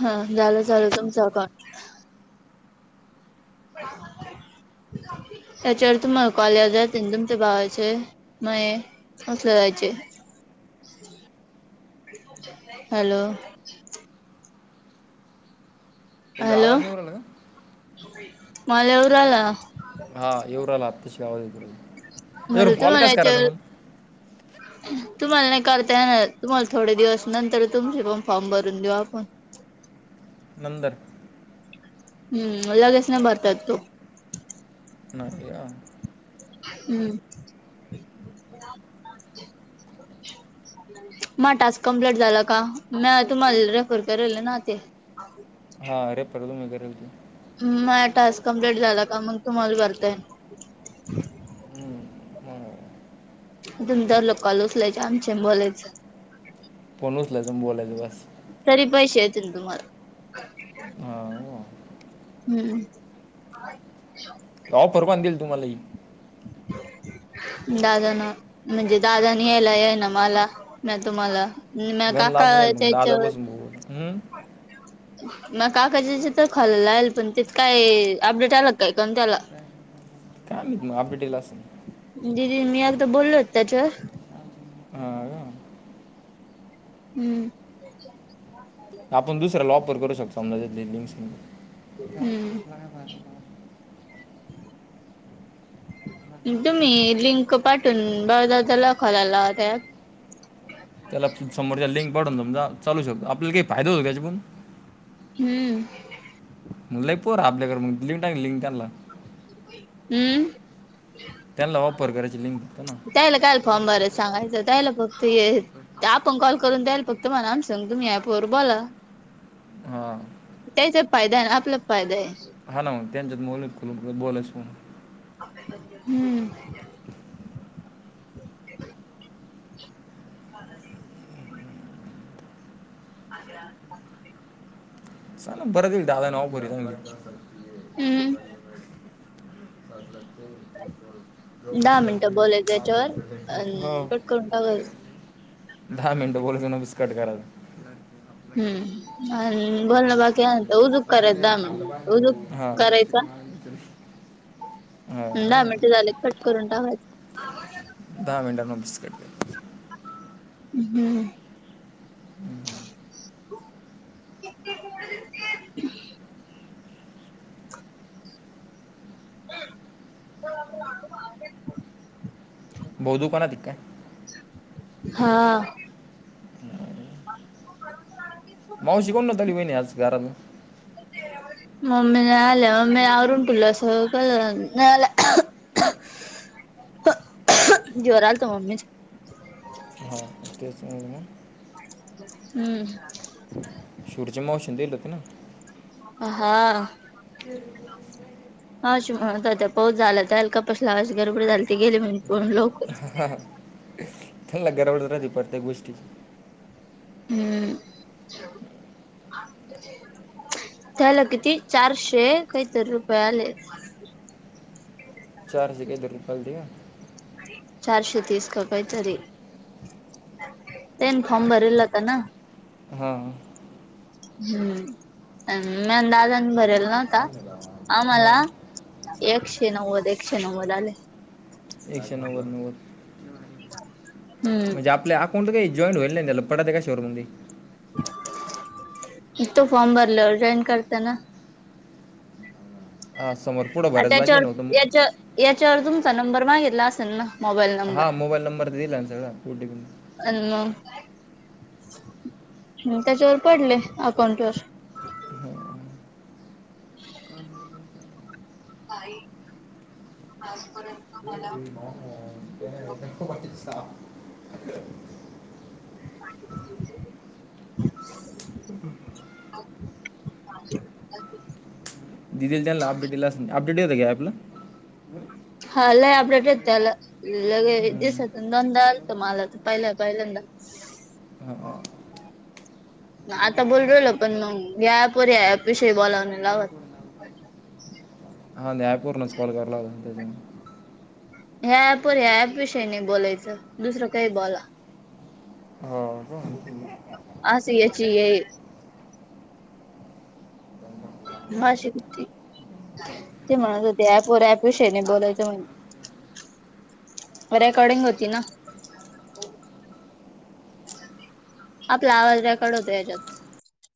हा झाला चालु तुमच का [unintelligible] त्याच्यावर तुम्हाला कॉल येत जातील तुमच्या भावाचे माये. असं जायचे हॅलो. [inaudible] हॅलो आवाज नाही येऊ राहिला का मला येऊ राहिला आ हा येऊ राहिला आताशी आवाज, मला त्यांवरून कॉल तुम्हाला कस करायचा याच्यावर मंग? [inaudible] तुम्हाला नाही करता येणार, तुम्हाला थोडे दिवस नंतर तुमचे पण फॉर्म भरून देऊ आपण. नंद हूं लगेच नाही भरता येत तो. नाहे आ. हूं [unintelligible] मा टास्क कंम्प्लेट झाला का म्या तुम्हाला रेफर करेल ना ते. हा रेफर तुमी करेलकी. माह्यां टास्क कम्पलेट झाला का मग तुम्हाला भरता येईन. हूं मं. तुम्ही तवर लोक कॉल उचलायचे आमचे बोलायचं. फोन उचलायचं आन बोलायचं बास. तरी पैसे येतील तुम्हाला. हा! हूं! त ऑफर कोणी दिली तुम्हालाही. [inaudible] दादान म्हणजे दादानी ह्यांला ह्यां न माला म्या तुम्हाला. नि म्या काका च्या याच्या वर. हूं! म काकाच्या याच्यात त खोलला लगलं पण तेत काय अपडेट आला काय कण त्याला. काय लीत मग अपडेट येईल अस दिदी न मी एगदा बोल्लो होत त्याच्यावर. हा का. हूं! आपण दुसऱ्याला ऑफर करू शकतो ना त्याच्या तली [unintelligible] हूं! तुम्ही लिंक पाठून [unintelligible] त्यां लॉक खोलाल लावत्यात. त्याला समोरच्या लिंक पाढून समजा चालू शकतो आपल्याला काही फायदा होतो त्याच्या पासून. हम्म. लई पोर आपल्याकडे मग लिंक टाग लिंक त्यानला. हम्म. त्यानला वापर कराची लिंक त्यांना. त्याला काय फॉर्म भरायच सांगायचं त्याला फक्त हे. ते आपण कॉल करून द्याल फक्त मलाम संग तुम्ही ऍपवर बोला. हा, त्याचा फायदा आपला फायदा हाय. हा ना म त्यांच्यात मोल खोलू बोलायस कोण. हम्म. तानाजी. आज्या. [inaudible] सांला परत एक दादा नाव बरच मि म्ह [inaudible] हम. पातला [unintelligible] जो दहा मिनिटं बोलायचं याच्यावर अ विद्यती [inaudible] ह. कट करून टाकायच. दहा मिनिट बोलयच नमस्काकट करायचा. हम्म आणी बोलण बाकी आलत उदक. अरे रे खाम सांग तू. हा. दहा हां मिनटं झाले कट करून टाकायच. दहा मिनटां मधीच कट केल. ''हं'' हं ह. [inaudible] [inaudible] भौतूपणा की काय. हा, ह [inaudible] मावशी कावून नाही आली वहिनी आज. घराण. मम्मी ना आल्यावर मी आवरून तुला सगळं करण नाही आल्या. ह [inaudible] जोराल तो मम्मीच. हो तेच म्हणलं मग. हंम. शूरच्या मावशेन देल होते ना. हा, हा आशू दादा पाऊस झाला त्या बसला लेट गडबड झाली तर गेले मी पण लवकरच. त्याला गडबड राहते प्रत्येक गोष्टी. हम्म. त्याला किती चारशे काहीतरी रुपये आले. चारशे कायतरी रुपये आलते का. चारशे तीस का कायतरी तेन फॉम भरीला होता ना. हा हा, हम्म मी अंदाजनी भरल ना आता आम्हाला हां एकशे नव्वद, एकशे नव्वद आले. एकशे नव्वद नव्वद हम्म म्हणजे आपल्या अकाऊंट ला काही जॉईनट ला होईल त्याला पडत त्या कशावरती ते इ तो फॉर्म भरल जॉईन करतना. ह समज त्याच्यावर याच्या याच्यावर तुमचा नंबर मागितला असेल ना मोबाईल नंबर हा मोबाईल नंबर तर दिला ना आणि ओटीपी अ त्याच्यावर पडले अकाउंट वर. [unintelligible] का आजपर्यंत [unintelligible] [unintelligible] ह [unintelligible] ह दिेल जाल अपडेटला अपडेट येतं काय ॲपला. हा लय अपडेट येत्याल मले बी लगे दिस दोनदा आलंत. मला तर पहिल्या पहिल्यांद हा आता बोल रल पण मग या अप वर या विषयी बोलावणे लावत हा या ॲप वरुनच कॉल कराला लागलं. ह्या ऍपवर ह्या ऍप विषयी नाही बोलायचं दुसरं काही बोला. हा हा असं याची हे हा पाचशे किती? ते म्हणत होते ऍप वर ऍप विषयी नाय बोलायच. रेकॉर्डिंग होती ना‌. आपला आवाज्याकडतो याच्यात